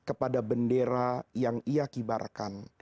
kepada bendera yang ia kibarkan